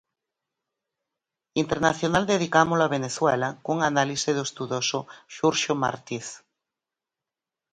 Internacional dedicámolo a Venezuela, cunha análise do estudoso Xurxo Martiz.